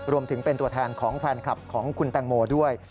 รวมถึงเป็นตัวแทนของแฟนคลับของคุณแตงโมด้วย